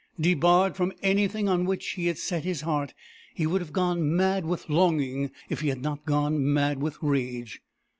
Debarred from anything on which he had set his heart, he would have gone mad with longing if he had not gone mad with rage.